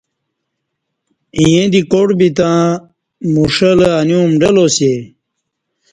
ییں دی کاٹ بِتں مُݜہ لہ اَنی اُمڈہ لا سے